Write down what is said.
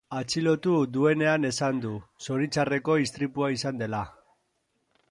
Atxilotu duenean esan du, zoritxarreko istripua izan dela.